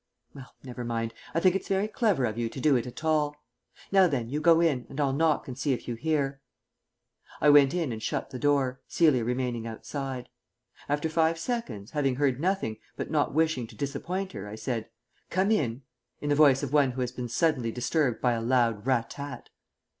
"Well, never mind. I think it's very clever of you to do it at all. Now then, you go in, and I'll knock and see if you hear." I went in and shut the door, Celia remaining outside. After five seconds, having heard nothing, but not wishing to disappoint her, I said, "Come in," in the voice of one who has been suddenly disturbed by a loud "rat tat."